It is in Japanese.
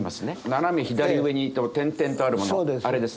斜め左上に点々とあるものあれですね。